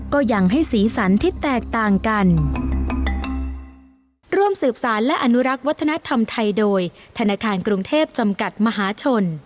ก็อย่างให้สีสันที่แตกต่างกัน